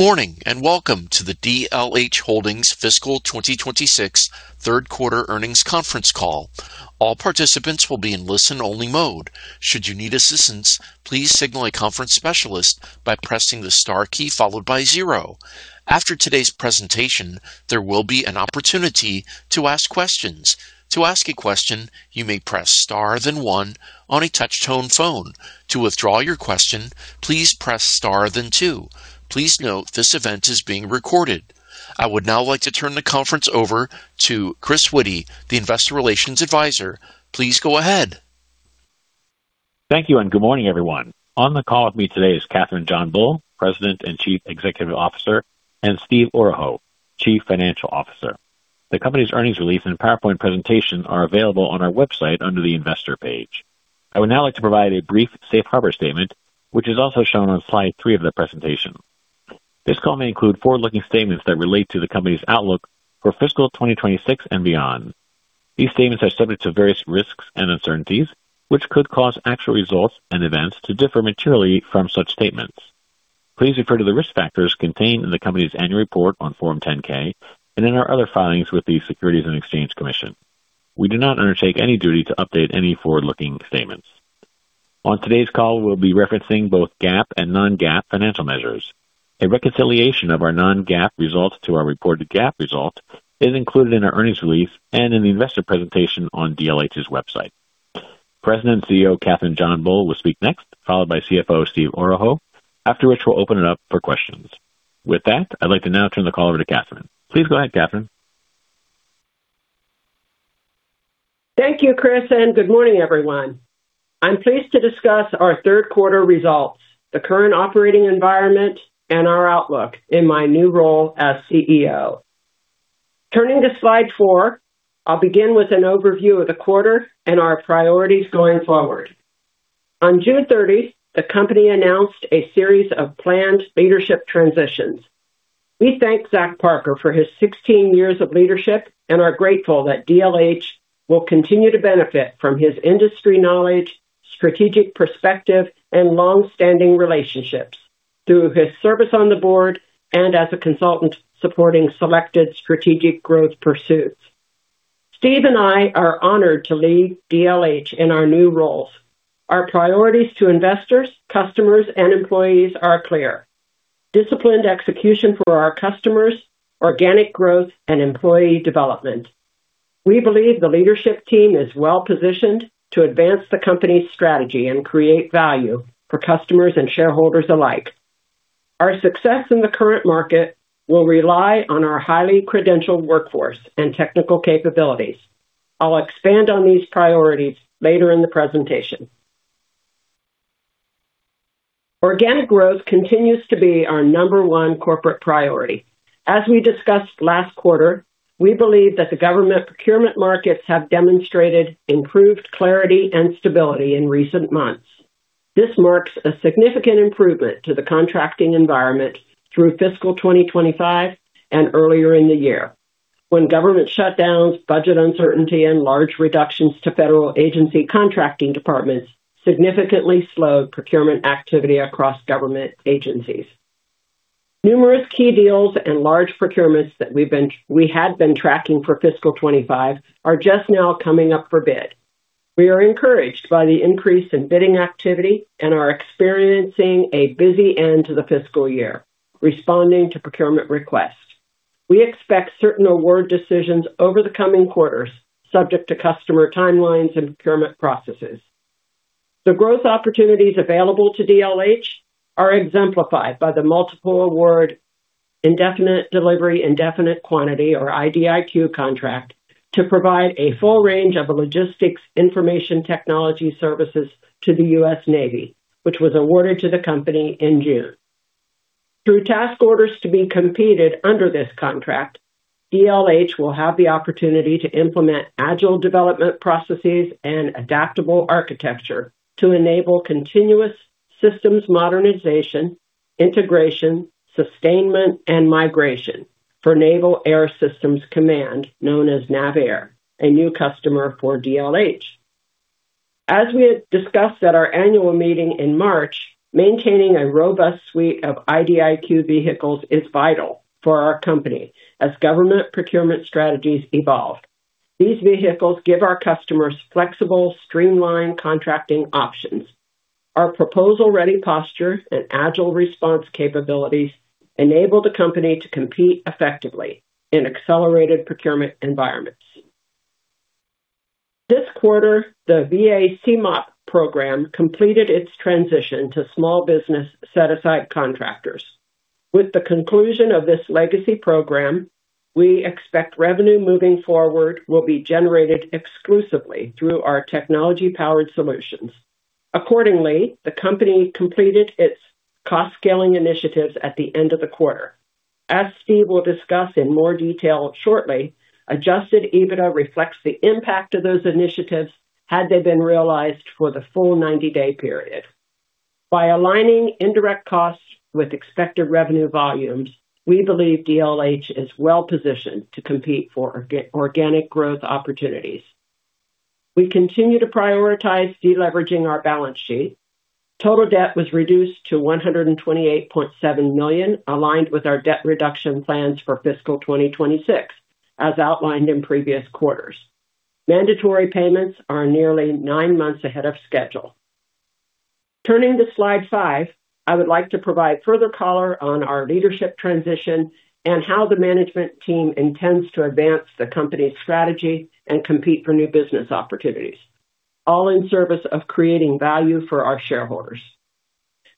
Morning and welcome to the DLH Holdings Fiscal 2026 third quarter earnings conference call. All participants will be in listen-only mode. Should you need assistance, please signal a conference specialist by pressing the star key followed by zero. After today's presentation, there will be an opportunity to ask questions. To ask a question, you may press star then One on a touch-tone phone. To withdraw your question, please press star then Two. Please note this event is being recorded. I would now like to turn the conference over to Chris Witty, the Investor Relations Advisor. Please go ahead. Thank you. Good morning, everyone. On the call with me today is Kathryn JohnBull, President and Chief Executive Officer, and Steve Oroho, Chief Financial Officer. The company's earnings release and PowerPoint presentation are available on our website under the investor page. I would now like to provide a brief safe harbor statement, which is also shown on slide three of the presentation. This call may include forward-looking statements that relate to the company's outlook for Fiscal 2026 and beyond. These statements are subject to various risks and uncertainties, which could cause actual results and events to differ materially from such statements. Please refer to the risk factors contained in the company's annual report on Form 10-K and in our other filings with the Securities and Exchange Commission. We do not undertake any duty to update any forward-looking statements. On today's call, we'll be referencing both GAAP and non-GAAP financial measures. A reconciliation of our non-GAAP results to our reported GAAP result is included in our earnings release and in the investor presentation on DLH's website. President CEO Kathryn JohnBull will speak next, followed by CFO Steve Oroho, after which we'll open it up for questions. I'd like to now turn the call over to Kathryn. Please go ahead, Kathryn. Thank you, Chris. Good morning, everyone. I'm pleased to discuss our third quarter results, the current operating environment, and our outlook in my new role as CEO. Turning to slide four, I'll begin with an overview of the quarter and our priorities going forward. On June 30, the company announced a series of planned leadership transitions. We thank Zach Parker for his 16 years of leadership and are grateful that DLH will continue to benefit from his industry knowledge, strategic perspective, and long-standing relationships through his service on the board and as a consultant supporting selected strategic growth pursuits. Steve and I are honored to lead DLH in our new roles. Our priorities to investors, customers, and employees are clear. Disciplined execution for our customers, organic growth, and employee development. We believe the leadership team is well-positioned to advance the company's strategy and create value for customers and shareholders alike. Our success in the current market will rely on our highly credentialed workforce and technical capabilities. I'll expand on these priorities later in the presentation. Organic growth continues to be our number one corporate priority. As we discussed last quarter, we believe that the government procurement markets have demonstrated improved clarity and stability in recent months. This marks a significant improvement to the contracting environment through fiscal 2025 and earlier in the year, when government shutdowns, budget uncertainty, and large reductions to federal agency contracting departments significantly slowed procurement activity across government agencies. Numerous key deals and large procurements that we had been tracking for fiscal 2025 are just now coming up for bid. We are encouraged by the increase in bidding activity and are experiencing a busy end to the fiscal year, responding to procurement requests. We expect certain award decisions over the coming quarters, subject to customer timelines and procurement processes. The growth opportunities available to DLH are exemplified by the multiple award indefinite delivery, indefinite quantity, or IDIQ contract to provide a full range of logistics information technology services to the U.S. Navy, which was awarded to the company in June. Through task orders to be competed under this contract, DLH will have the opportunity to implement agile development processes and adaptable architecture to enable continuous systems modernization, integration, sustainment, and migration for Naval Air Systems Command, known as NAVAIR, a new customer for DLH. As we had discussed at our annual meeting in March, maintaining a robust suite of IDIQ vehicles is vital for our company as government procurement strategies evolve. These vehicles give our customers flexible, streamlined contracting options. Our proposal-ready posture and agile response capabilities enable the company to compete effectively in accelerated procurement environments. This quarter, the VA CMOP program completed its transition to small business set-aside contractors. With the conclusion of this legacy program, we expect revenue moving forward will be generated exclusively through our technology-powered solutions. Accordingly, the company completed its cost-scaling initiatives at the end of the quarter. As Steve will discuss in more detail shortly, adjusted EBITDA reflects the impact of those initiatives had they been realized for the full 90-day period. By aligning indirect costs with expected revenue volumes, we believe DLH is well-positioned to compete for organic growth opportunities. We continue to prioritize de-leveraging our balance sheet. Total debt was reduced to $128.7 million, aligned with our debt reduction plans for fiscal 2026, as outlined in previous quarters. Mandatory payments are nearly nine months ahead of schedule. Turning to slide five, I would like to provide further color on our leadership transition and how the management team intends to advance the company's strategy and compete for new business opportunities, all in service of creating value for our shareholders.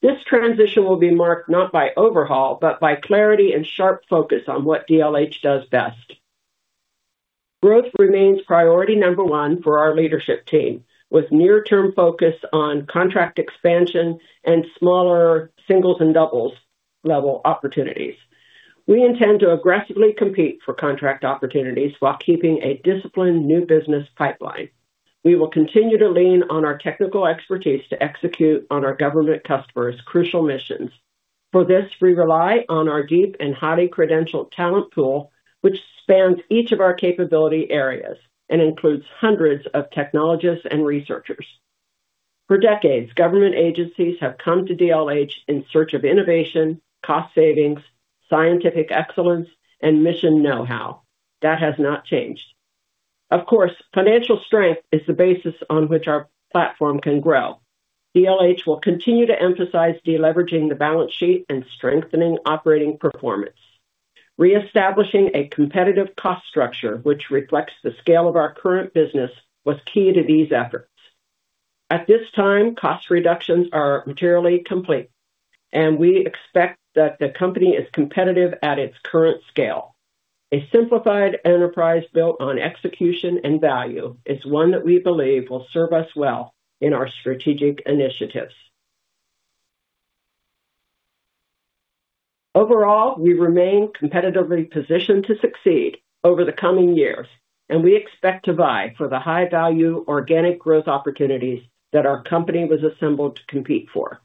This transition will be marked not by overhaul, but by clarity and sharp focus on what DLH does best. Growth remains priority number one for our leadership team, with near-term focus on contract expansion and smaller singles and doubles level opportunities. We intend to aggressively compete for contract opportunities while keeping a disciplined new business pipeline. We will continue to lean on our technical expertise to execute on our government customers' crucial missions. For this, we rely on our deep and highly credentialed talent pool, which spans each of our capability areas and includes hundreds of technologists and researchers. For decades, government agencies have come to DLH in search of innovation, cost savings, scientific excellence, and mission know-how. That has not changed. Of course, financial strength is the basis on which our platform can grow. DLH will continue to emphasize de-leveraging the balance sheet and strengthening operating performance. Reestablishing a competitive cost structure, which reflects the scale of our current business, was key to these efforts. At this time, cost reductions are materially complete, and we expect that the company is competitive at its current scale. A simplified enterprise built on execution and value is one that we believe will serve us well in our strategic initiatives. Overall, we remain competitively positioned to succeed over the coming years, and we expect to vie for the high-value organic growth opportunities that our company was assembled to compete for.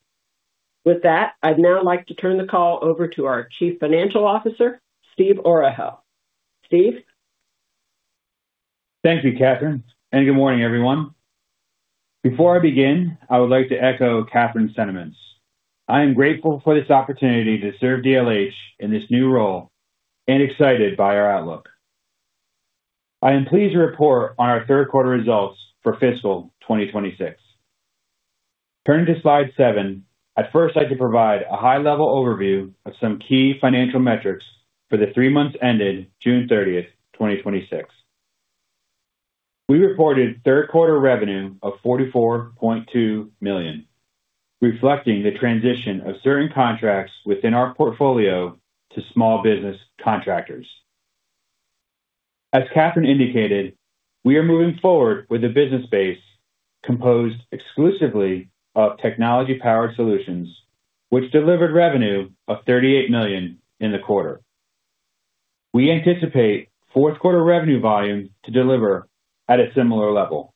With that, I'd now like to turn the call over to our Chief Financial Officer, Steve Oroho. Steve? Thank you, Kathryn, and good morning, everyone. Before I begin, I would like to echo Kathryn's sentiments. I am grateful for this opportunity to serve DLH in this new role, and excited by our outlook. I am pleased to report on our third quarter results for fiscal 2026. Turning to slide seven, I'd first like to provide a high-level overview of some key financial metrics for the three months ended June 30th, 2026. We reported third quarter revenue of $44.2 million, reflecting the transition of certain contracts within our portfolio to small business contractors. As Kathryn indicated, we are moving forward with a business base composed exclusively of technology-powered solutions, which delivered revenue of $38 million in the quarter. We anticipate fourth quarter revenue volumes to deliver at a similar level.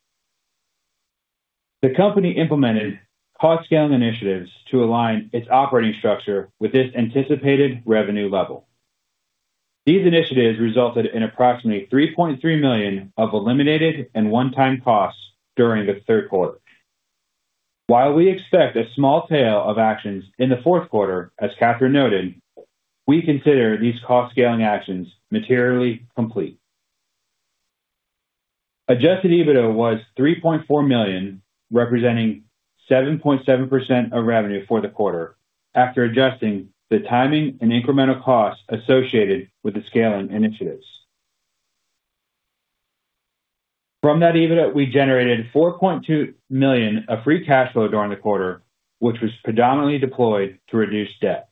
The company implemented cost scaling initiatives to align its operating structure with this anticipated revenue level. These initiatives resulted in approximately $3.3 million of eliminated and one-time costs during the third quarter. While we expect a small tail of actions in the fourth quarter, as Kathryn noted, we consider these cost-scaling actions materially complete. Adjusted EBITDA was $3.4 million, representing 7.7% of revenue for the quarter, after adjusting the timing and incremental costs associated with the scaling initiatives. From that EBITDA, we generated $4.2 million of free cash flow during the quarter, which was predominantly deployed to reduce debt.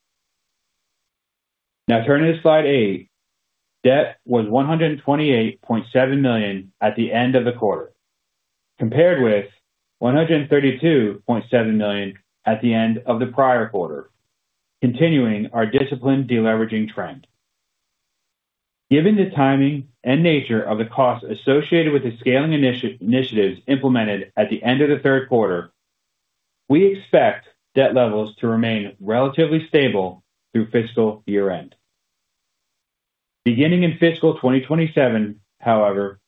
Now, turning to slide eight. Debt was $128.7 million at the end of the quarter, compared with $132.7 million at the end of the prior quarter, continuing our disciplined de-leveraging trend. Given the timing and nature of the costs associated with the scaling initiatives implemented at the end of the third quarter, we expect debt levels to remain relatively stable through fiscal year-end. Beginning in fiscal 2027, however,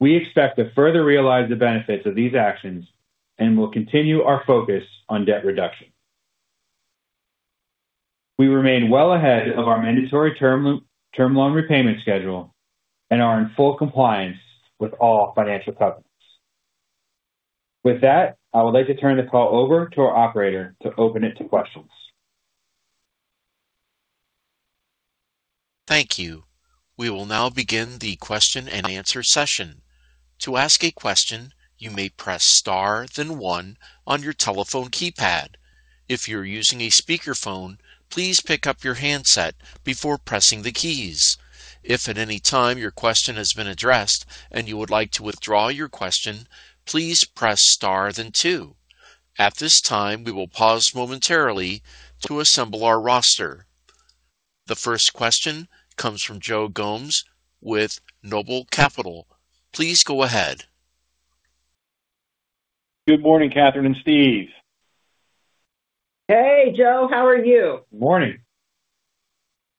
we expect to further realize the benefits of these actions and will continue our focus on debt reduction. We remain well ahead of our mandatory term loan repayment schedule and are in full compliance with all financial covenants. With that, I would like to turn the call over to our operator to open it to questions. Thank you. We will now begin the question and answer session. To ask a question, you may press star then one on your telephone keypad. If you're using a speakerphone, please pick up your handset before pressing the keys. If at any time your question has been addressed and you would like to withdraw your question, please press star then two. At this time, we will pause momentarily to assemble our roster. The first question comes from Joe Gomes with Noble Capital. Please go ahead. Good morning, Kathryn and Steve. Hey, Joe. How are you? Morning.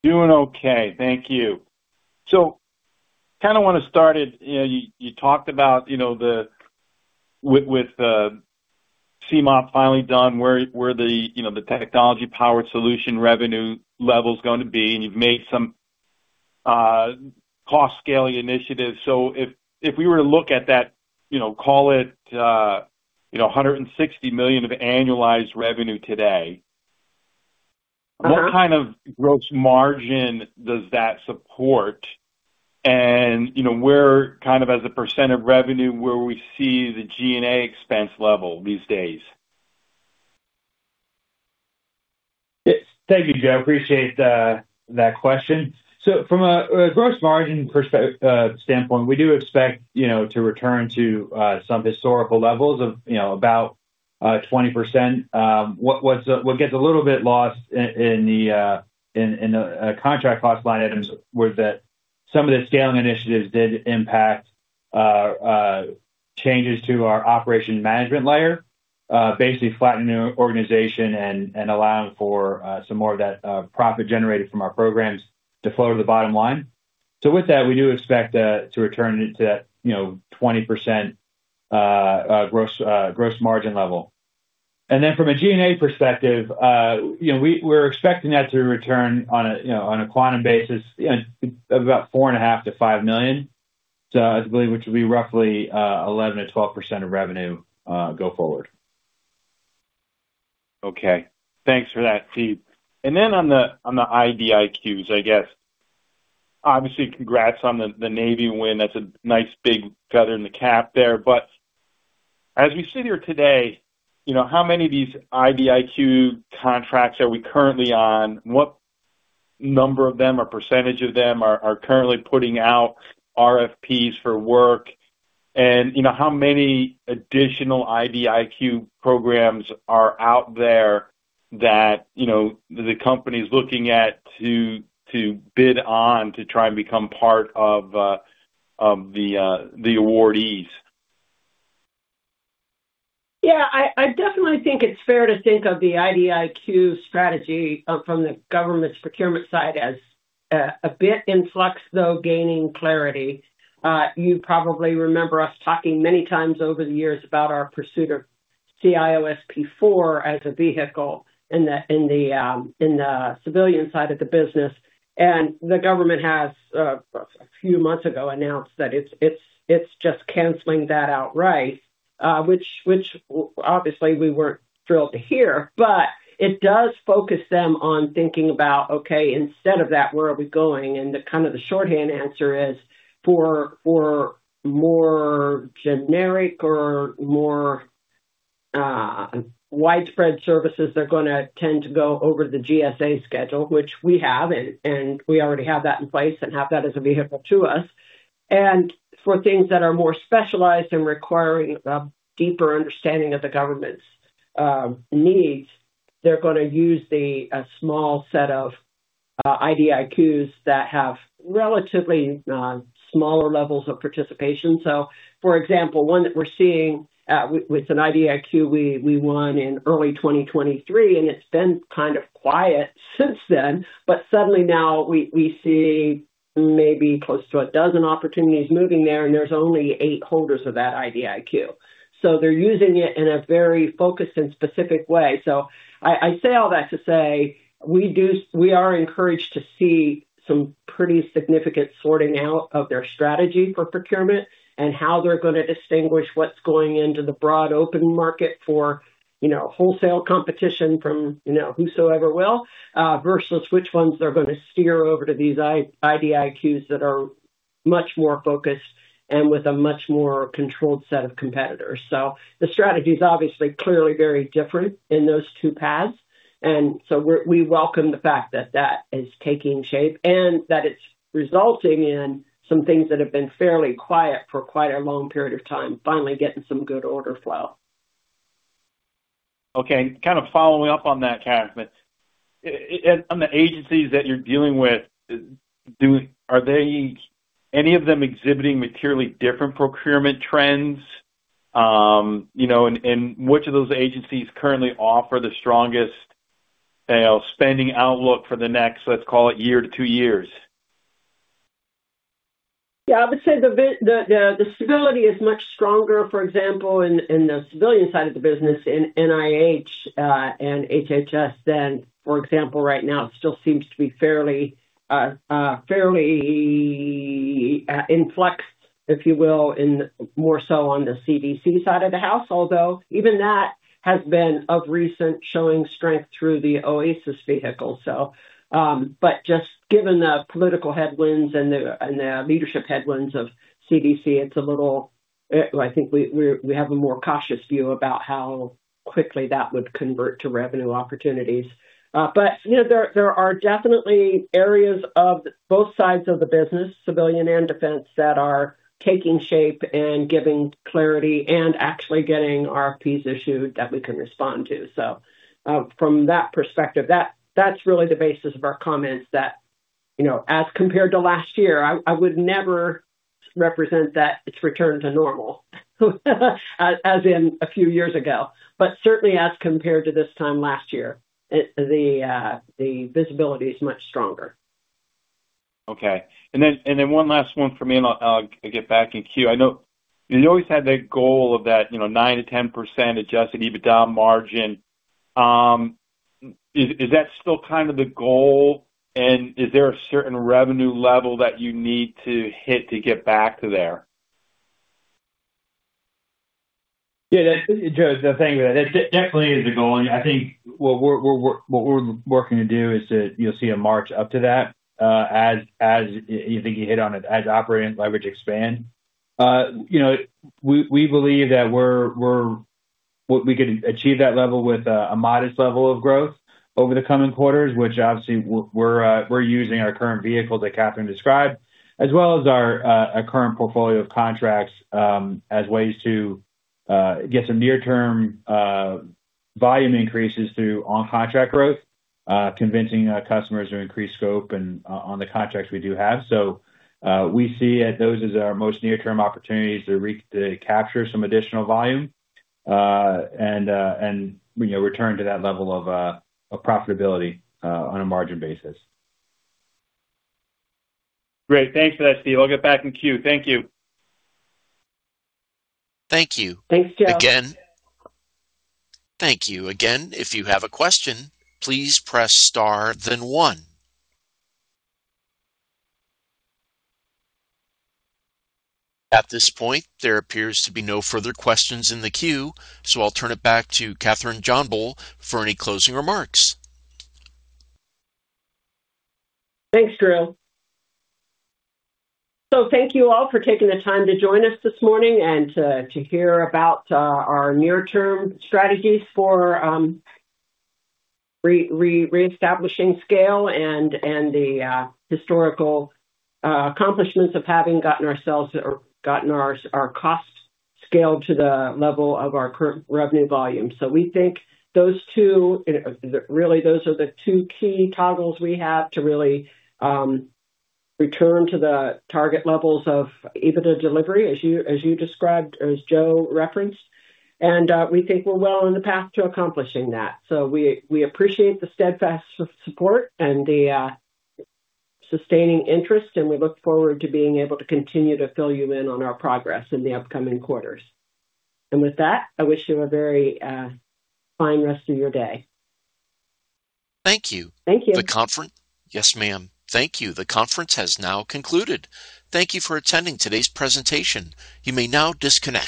Doing okay. Thank you. Want to start at, you talked about with CMOP finally done, where the technology-powered solution revenue level's going to be, and you've made some cost-scaling initiatives. If we were to look at that, call it, $160 million of annualized revenue today- What kind of gross margin does that support? Where, as a percent of revenue, where we see the G&A expense level these days? Yes. Thank you, Joe. Appreciate that question. From a gross margin standpoint, we do expect to return to some historical levels of about 20%. What gets a little bit lost in the contract cost line items was that some of the scaling initiatives did impact changes to our operation management layer. Basically flattening the organization and allowing for some more of that profit generated from our programs to flow to the bottom line. With that, we do expect to return to that 20% gross margin level. From a G&A perspective, we're expecting that to return on a quantum basis of about $4.5 million-$5 million. I believe, which will be roughly 11%-12% of revenue go forward. Okay. Thanks for that, Steve. On the IDIQs, I guess, obviously congrats on the Navy win. That's a nice big feather in the cap there. As we sit here today, how many of these IDIQ contracts are we currently on? What number of them, or percentage of them, are currently putting out RFPs for work? How many additional IDIQ programs are out there that the company's looking at to bid on to try and become part of the awardees? I definitely think it's fair to think of the IDIQ strategy from the government's procurement side as a bit in flux, though gaining clarity. You probably remember us talking many times over the years about our pursuit of CIO-SP4 as a vehicle in the civilian side of the business. The government has, a few months ago, announced that it's just canceling that outright. Which obviously we weren't thrilled to hear, but it does focus them on thinking about, okay, instead of that, where are we going? The shorthand answer is for more generic or more widespread services, they're going to tend to go over the GSA schedule, which we have, and we already have that in place and have that as a vehicle to us. For things that are more specialized and requiring a deeper understanding of the government's needs, they're going to use the small set of IDIQs that have relatively smaller levels of participation. For example, one that we're seeing, with an IDIQ we won in early 2023, and it's been kind of quiet since then, but suddenly now we see maybe close to a dozen opportunities moving there, and there's only eight holders of that IDIQ. They're using it in a very focused and specific way. I say all that to say, we are encouraged to see some pretty significant sorting out of their strategy for procurement and how they're going to distinguish what's going into the broad open market for wholesale competition from whosoever will, versus which ones they're going to steer over to these IDIQs that are much more focused and with a much more controlled set of competitors. The strategy's obviously, clearly very different in those two paths. We welcome the fact that that is taking shape and that it's resulting in some things that have been fairly quiet for quite a long period of time, finally getting some good order flow. Okay. Kind of following up on that, Kath, but on the agencies that you're dealing with, are any of them exhibiting materially different procurement trends? Which of those agencies currently offer the strongest spending outlook for the next, let's call it year to two years? I would say the stability is much stronger, for example, in the civilian side of the business in NIH and HHS than, for example, right now it still seems to be fairly in flux, if you will, in more so on the CDC side of the house. Although, even that has been of recent showing strength through the OASIS vehicle. Just given the political headwinds and the leadership headwinds of CDC, I think we have a more cautious view about how quickly that would convert to revenue opportunities. There are definitely areas of both sides of the business, civilian and defense, that are taking shape and giving clarity and actually getting RFPs issued that we can respond to. From that perspective, that's really the basis of our comments. As compared to last year, I would never represent that it's returned to normal as in a few years ago. Certainly as compared to this time last year, the visibility is much stronger. Okay. One last one from me, and I'll get back in queue. I know you always had that goal of that 9%-10% adjusted EBITDA margin. Is that still the goal? Is there a certain revenue level that you need to hit to get back to there? Joe, the thing with that definitely is the goal. I think what we're working to do is, you'll see a march up to that as, I think you hit on it, as operating leverage expands. We believe that we could achieve that level with a modest level of growth over the coming quarters, which obviously, we're using our current vehicle that Kathryn described, as well as our current portfolio of contracts as ways to get some near-term volume increases through on-contract growth, convincing customers to increase scope on the contracts we do have. We see those as our most near-term opportunities to capture some additional volume, return to that level of profitability on a margin basis. Great. Thanks for that, Steve. I'll get back in queue. Thank you. Thank you. Thanks, Joe. Thank you. Again, if you have a question, please press star then one. At this point, there appears to be no further questions in the queue, I'll turn it back to Kathryn JohnBull for any closing remarks. Thank you, Drew. Thank you all for taking the time to join us this morning and to hear about our near-term strategies for reestablishing scale and the historical accomplishments of having gotten our costs scaled to the level of our current revenue volume. We think those two, really, those are the two key toggles we have to really return to the target levels of EBITDA delivery, as you described, or as Joe referenced. We think we're well on the path to accomplishing that. We appreciate the steadfast support and the sustaining interest, and we look forward to being able to continue to fill you in on our progress in the upcoming quarters. With that, I wish you a very fine rest of your day. Thank you. Thank you. Yes, ma'am. Thank you. The conference has now concluded. Thank you for attending today's presentation. You may now disconnect.